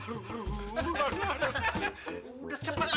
udah cepet pak